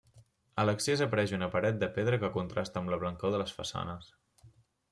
A l'accés apareix una paret de pedra que contrasta amb la blancor de les façanes.